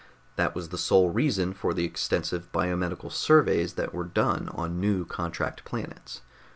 That was the sole reason for the extensive biomedical surveys that were done on new contract planets.